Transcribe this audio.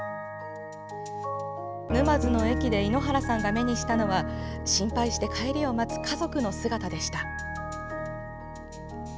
沼津の駅で猪原さんが目にしたのは心配して帰りを待つ家族の姿でした。